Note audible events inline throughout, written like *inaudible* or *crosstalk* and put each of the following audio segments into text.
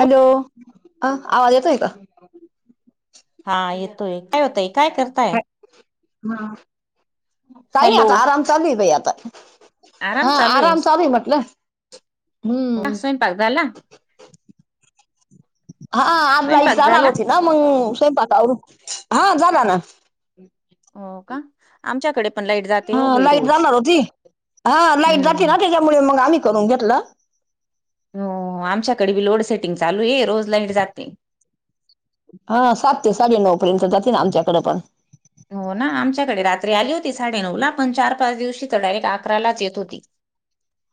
Hello अ आवाज येतो आहे का हा येतोय काय होतय काय करताय ह काही हॅलो आता आराम चालू आहे बाई आता हा आराम चालू म्हटलं हम्म पासयन पाताला हा आज ला एक जाणार न होती ना मग स्वयंपाकावरून हा झाला ना हो का आमच्याकडे पण लाईट जात हा लाईट जाणार होती हा लाईट जाते हम्म ना त्याच्यामुळे मग आम्ही करून घेतलं हो आमच्याकडे बी लोड सेटिंग चालू आहे रोज लाईट जाते हा सात ते साडेनऊ पर्यंत जातील आमच्याकडे पण हो ना आमच्याकडे रात्री आली होती साडे नऊ ला पण चार पाच दिवशी तर डायरेक्ट अकरालाच येत होती *inaudible*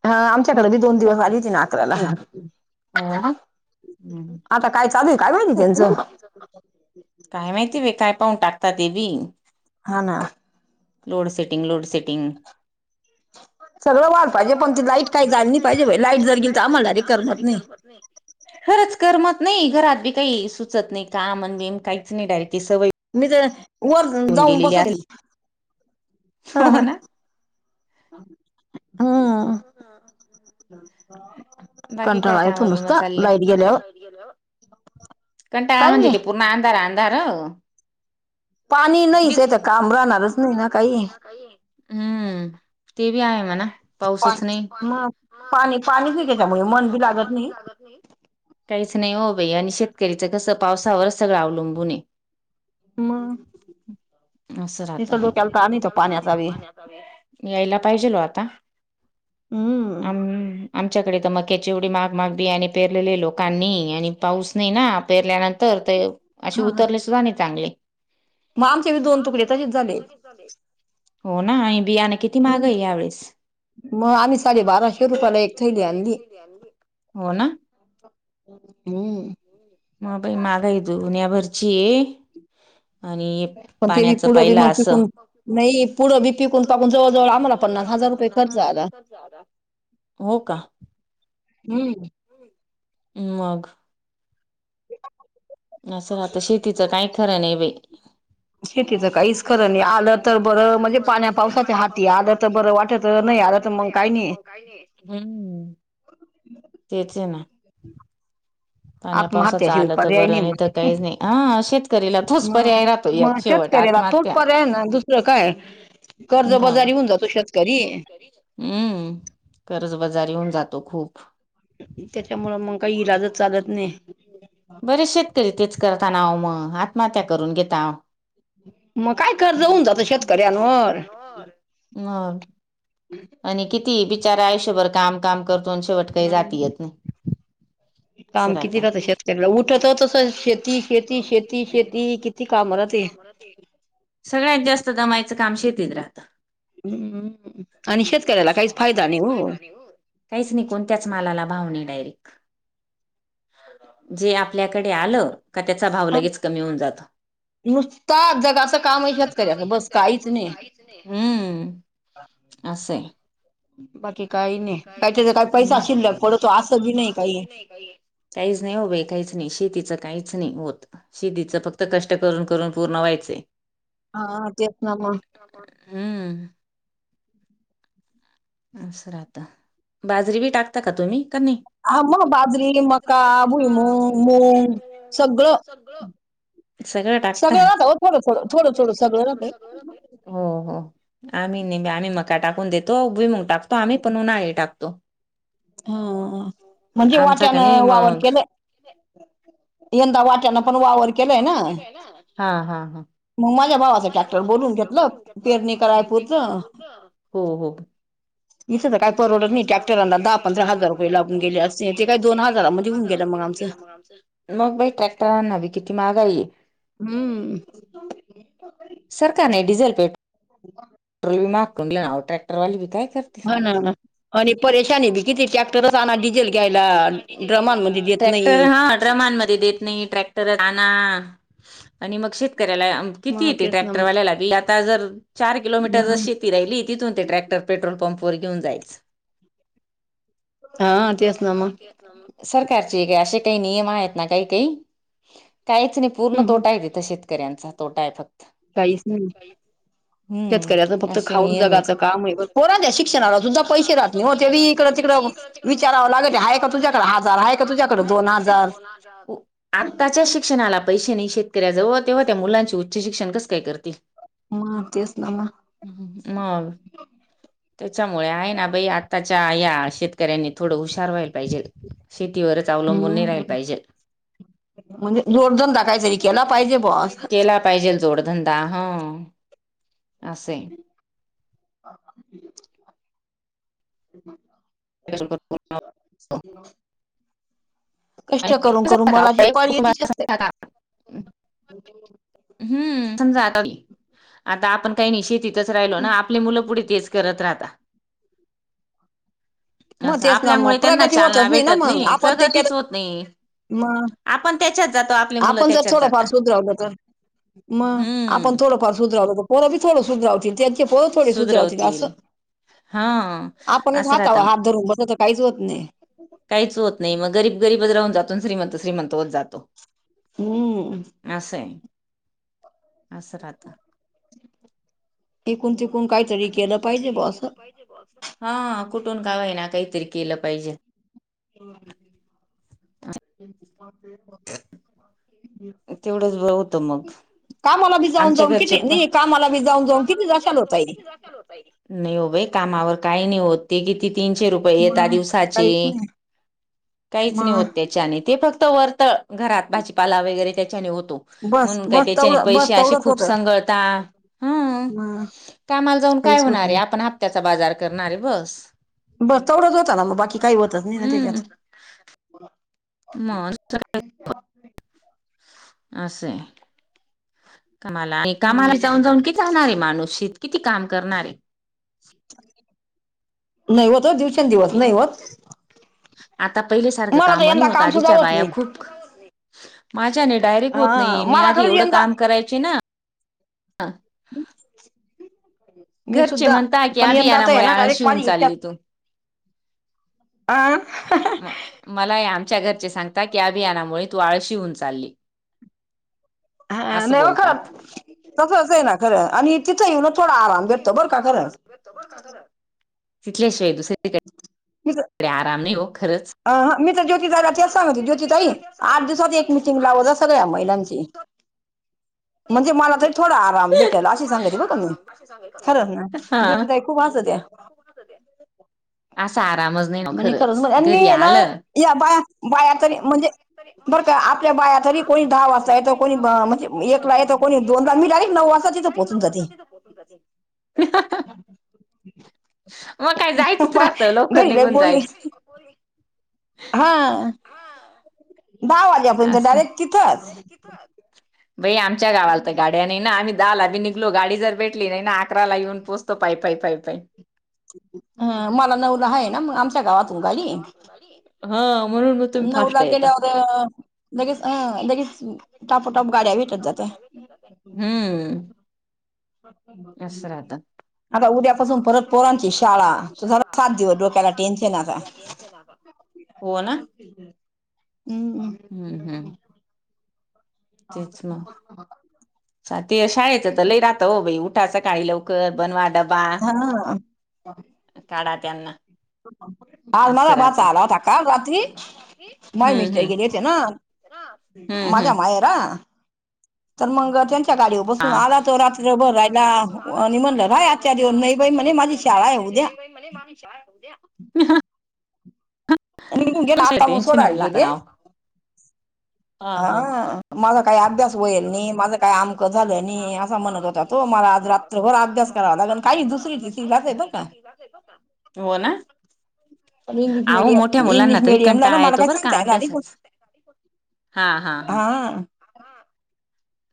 हा आमच्याकडे बी दोन हो दिवस आली होतीी ना अकराला ना आता काय चालू काय माहिती त्यांचं काय माहिती वे काय पाहून टाकतात देवी. हा ना लोड सेटिंग लोड सेटिंग सगळं वार पाहिजे पण ती लाईट काही झाली नाही पाहिजे लाईट जर गेल तर आम्हाला अरे करमत नाही खरंच करमत नाही घरात बी काही सुचत नाही कामण बेम काहीच नाही डायरेक्ट सवय मी तर वर होऊन जाऊन गेलेली असेल बसती ह हो ह ना हम्म ह ह कंटाळा आहे तो नुसता लाईट गेलेवर क कणा आ म्हणज नाही तेे पूर्ण अंधार अंधार पाणी नाहीच दिव तर काम राहणारच नाही ना काही हम्म तेीब आहे म ना पा मग पाणी पाणीी घ्यायच्यामुळे मन बी लागत नाही काहीच नाही हो भाई आणि शेतकरीच कसं पावसावरच सगळं अवलंबून आहे म असं तस लोक्याला तर आण तो पाण्याचा म यायला पाहिजेलो आता हम्म अमम आमच्याकडे तर मगक्याची एवढी मागमाग बी आणि पेरलेले लोकांनी आणि. पाऊस नाही ना पेरल्यानंतर ते असे हा उतरले सुद्धा नाही चांगले मग आमचे मी दोन तुकडे तसेच झाले हो ना आणि बियाना किती माग आहे यावेेळेस मग आम्ही साडे बाराशे रुपयाला एक ैली आण आणली हो ना हम्. मगबाई मागाय दऊ न्या भरची. आणि पण ते बी पाण्याच पुढं बी पाहिला मग असं पिकून पुढ नाही पुढं बी पिकून पाकून जवळ जवळ व आम्हाला पन्नास हजार रुपये खर्च जवळ. आला े हो का? हम्म. मग. न सर आता शेतीचं काही खरं नाही बाई. शेतीचं काहीच तिथ तर खरं नाही काहीच आलं खरं नाही तर आलं बरं तर म्हणजे बरं पाण्या म्हणजे पावसाच्या पाण्या हाती पावसाच्या आलं तर हाती बरं आलं तर वाटत बरं वाट आलं तर नाही. मग ला काही तर मग काही नाही हम्म तेच आहे ना. पाण्या पावसाच आत्महत्याशिवाय आलं तर पर्याय बरं नाही मग तर काहीच नाही ह शेतकरीला थोस पर्याय. एक मजच शेवट करेला तो आत्महत्या पर्याय नाुस. क काय मग कर्जबजारी हो जा तो शेतकरी हम्म कर्ज बाजार येऊन जातो खूप त्याच्यामुं मग काही इलाज चालत नाही. बरे शेतकरी तेच करताना मग आत्महत्या करून घता. मग काय कर्ज होऊन जाात. करर ह. आणि किती बिचारा आयुष्यभर कामकाम करतो शेवट काही जात येत नाही. असं काम किती राहतं राहत शेतकऱला उठत तस शेती शेती शेती शेती किती काम राहते. सगळ्यात जास्त दमायचं काम शेतीत राहतं. हम्म आणि शेतकऱ्याला काहीच फायदा नाही हो. काहीच निघून त्याच मालाला भावणे डायरेक्ट जे आपल्याकडे आलं का त्याचा भाव हा लगेच कमी होऊन जातो. नुसता. नुसता जगाचं काम आहे जगाचं कामही शेतकऱ्याचं शकत बस त्याच काहीच बस नाही काहीच नाही. असे. बाकी काही नाही काही त्या काही पैसा असशल पड तो असी नाही काही काहीच नाही हो बाई काहीच नाही शेतीच काहीच नाही होत. शिदीच फक्त कष्ट करून करून पूर्ण व्हायचं. हा तेच ना म हम्म. अस राहता बाजरी बी टाकत. का तुम्ही नाही. हा मग बाजरी मका भुईम मूंग सगळं. सगळं टाकता सगंळ राहतंय थोड थोडं थोडं सगळं राातं. हो हो आम्ही नेहमी आम्ही मका टाकून देतो उभी मग टाकतो आम्ही पण उन्हाळी टाकतो. हा म्हणजे आमचा का नाही वाट्यानं वावण मग केलं. येंद वाट्याला पण वावर केडे आहे ना हा हा हा. मग माझ्या भावाचा माज्या ट्रॅक्टर भावाच टॅक्टर घेतलं बोलून घेतलं पेरणी नाही करायपुरतं कयच हो हो. इथ कायपर रड टॅक्टरा द. आपण त्या हार रुपये लागून गेले ते काही दोन हजारामध्ये होऊन गेलं मग आमचं. मग बाई ट्रॅक्टरांनावी किती महागाई. हम्म. सरकारने डझल पेट. ह. ्रोलल माफ करून टॅटरी का? हा ना आणि परेशानी बी. किती ट्रॅक्टरचना डिझेल घ्यायला ड्रमांमध्ये देत ट्रॅक्टर नाही. हा ड्रमांमध्ये नाही श *inaudible* किती मग येते तेच ना मग ट्रॅक्टरवाल्या लागे आता जर चार किलोमीटर जशी ी राहिली तिून ते टॅक्टर पेट्रोल पंप ववरेऊन जायचं. *unintelligible* हा ते अस नामा *unintelligible* सरकारची का असे काही नियम आहेत ना काही काही काहीच नाही. पूर्ण हम्म तोटा आहे तिथं शेतकऱ्यांचा तोटा आहे फक्त *unintelligible* काईस नाही *unintelligible* होम *unintelligible* शेतकऱ्याच फक्त खाऊन जगाचं काम कोरत्या शिक्षणाला सुद्धा पैसे राह नाही हो ते इकडं तिकडं. *unintelligible* विचारावं लागेल आहेय का तुझ्याकडे हजार आहेय का तु्याकडें दोन हजार ह का *unintelligible* आत्ताच्या शिक्षणाला पैसेने शेतकऱ्याजवळ तेव्हा त्या मुलांचे उच्च शिक्षण कसं काय करतील ह तेसनामा *unintelligible* मग *unintelligible* त्याच्यामुळे आहे ना बाई आताच्या या शेतकऱ्यांनी थोडं हुशार व्हायला पाहिजे शेतीवरच अवलंबून नाही राहिल हम्म पाहिजे *unintelligible* म्हणजे दोन दोन टाकायची एकीला पाहिजे बस *unintelligible* पाहिजेल जोडधंदा ह असंय *inaudible* *unintelligible* ह *unintelligible* *unintelligible* *unintelligible* *inaudible* *unintelligible* कष्ट आणि करून करून मराठीत पाळी येते शेतकरी तुम्हाला हम्म समजा आता आता आपण काही नाही शेतीतच राहिलो ना आपली मुलं पुढे तेच *unintelligible* करत राहता *unintelligible* मग असं तेच ना मग आपल्यामुळे त्यांना प्रगती चालना होतच ना भेटत मग नाही आपण ते प्रगतीच केलं मग आपण त्याच्यात जातो आपले मुलं त्याच्यात जाता म आपण थोडंफार सुधरावल तर पोर बी थोडं सुधरांवतील त्या पो ोडी सुधरावती दस सुधरवतील हा आपण असं हात राहत ह म्हज त काहीच होत नाही *unintelligible* काहीच होत नाही मग गरीब गरीबच राहून जात श्रीमंत श्रीमंत होत जातो हम्म *unintelligible* असं हाय असं राहता *unintelligible* इथून तीतून काहीतरी केलं पाहिजे बा असं *unintelligible* हा कुठून का होईना काहीतरी केलं पाहिजे *inaudible* *unintelligible* तेवढंच ब होतं मग *unintelligible* कामाला बी जाऊन आमच्या जाऊन घरचे किती पण नाही कामाला बी जाऊन जाऊन किती जाशाल हो ताई *inaudible* *unintelligible* नाही हो बाई कामावर काही नाही होत ते किती तीनशे रुपये येेत मग दिवसाची काहीच नाही काहीच नाही होत मग त्याच्याने ते फक्त वर्तळ घरात भाजीपाला वगैरे *unintelligible* त्याने होतो त्याच्याने होतो बस म्हणून काय बस त्याच्याने तेवढं बस पैसे असे तेवढंच खूप होतं संगळता हम्म मग कामाला जाऊन काय काहीच होत होणार आहे नाही आपण हप्त्याचा बाजार करणारे बस बस तेवढंच होता ना मग बाकी काही होतच नाही ना त्याच्यात *unintelligible* म *unintelligible* असं आहे कामाला आणि कामाला हम्म जाऊन जाऊन किती जाणार आहे माणूस शत काम करणारे *unintelligible* नाही होत हो दिवसेंदवस की नाही होत आता पहिले सारखं मला तर काम नाही यंदा होत सुद्धा आधीच्या बाया नाही खूप माझ्याने डायरेक्ट होत हा नाही मी मला आधी खरंच एवढं यंदा काम करायचे ना मी घरचे सुद्धा म्हणता की पण यंदाच आहे अभियानामुळे ना आळशी डायरेक्ट होऊन पाणी चालली येत्यातं *unintelligible* तू आं.. मला आमच्या घरचे सांगता की अभियानामुळे तू आळशी होऊन चालली. हा असं नाही ब बोलतात खरं तसंच आहे ना खरं आणि तिथं येऊ ना थोडा आराम भेटतो बरं का खरंच तिथलेश्वरय दुस नी ज काही आराम नाही हो खरंच. अ हं मी तर ज्योतीताईला तेच सांगंती ज्योती ताई आठ दिवसात एक मिटिंग लावत जा सगळ्या म पलाजी म्हणजे मला तरी थोडा आराम भेटायला अशी सांगायची नत मी खरं ना हा. ज्योतीताई खूप वासत या. असा आरामच नाही ना खरचरी ये ना या बा बाया तरी म्हणजे बरं का आपल्या बाया तरी कोणी दहा वाजता येतं कोणी म्हणजे एकला येत कोणी दोनज मी डायरेक्ट नऊ वाजता तिथं पोहचून जाते. मग काय जायचंच राहतं लवकर घरी नाही निघून बोली जायचं. हा दहा वाजेपर्यंत असं डायरेक्ट तिथंच. बाई आमच्या गावाला तर गाड्या नाही ना आम्ही दहा बी निघतो. बलो गाडी जर भेटली नाही ना अकरा ला येऊन पोचतो पाय पाई पाय पाई. ह मला नवला हाय ना मग आमच्या गावातून गाडी हेय. हा म्हणून तुम्ही फास्ट नऊला येता. गेल्यावर लगेच अं लगेच टापोटाप गाड्या भेटत जात्या. हम्म असस राहतं आता उद्यापासून परत पोरांची शाळा परत सात दिवस डोक्याला टेन्शन आता. हो ना. हम् हम्म हम्म तेच मग ते शाळेत तर लई राहता हो उठ उठाच काळी लवकर बनवा डबा हा काढा त्यांना आज असं माझा राहत भाचा आला होता काल रात्री. माय हम्म मिस्ट्री हम्म गेलीेत ना हम्म माझा हम्म माया. हा तर मग त्यांच्या गाडीवू हा बसून आला तो रात्रीभर रायला आणि म्हणलं रा आचादिवस नाही बाई म्हणे माझी शाळा हाय उद्या. मला माणी शद्या निघून गेला आता मग टेनशनऊन सोडायला लाता गेले हा माझा काही अभ्यास होईल नाही माझं काही आमकं झालं नाही असं म्हणत होता तो मला आज त रात. मला त करावा लागन काही आहे बरं दुसरी का दिेत हो ना. पण इंग्लिश आओ मोठ्या मिडियम मुलांना इंग्लिश तरी मिडियमला ना कंटाळा येतो आहे मला तो काही बर का सांगता येणार नाही अभ्यासच हा हा हा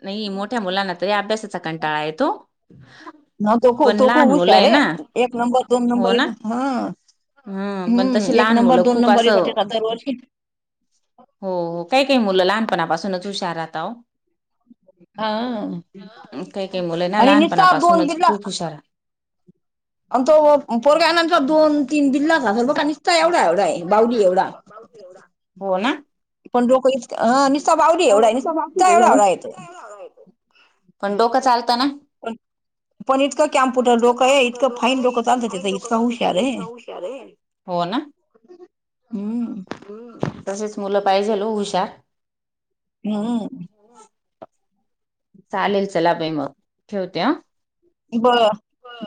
नाही मोठ्या मुलांना तरी अभ्यासाचा कंटाळा येतो. न तो ख पण तो खू लहान मुलं हुशा आहे रे ना एक नंबर दोन नंबर हो ए ना हा. पण तशी हम्म एक लहान नंबर मुलं दोन खूप असं नंबरसाठी सदर व हो हो काही काही मुलं लहानपणापासूनच हुशार राहताव. हा आ काही काही मुलं ना आणि निस्ता दोन लहानपणापासूनच बिल्ला खूप हुशार आणि तो पोरगनंतर दोन तीन बिल्ला असेल बघा निसताय एवढा एवढा आहे बाऊली एवढा बोला पण रोको इ निसाब आवडी एवढा आहे निस् एवढा होवढा येतो. पण डोकं चालतं ना. पण पण इतकं कम्पुटर लोकय इकं फाईन लोक चालतातं इतं हुशार आहे. क्या रे हो ना हम्म तसेच मुलं पाहिजेल हुशार हम्. चालेल, चला बाई मग ठेवते हा, बर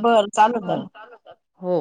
बर, चालू होतं हो आता हो, हो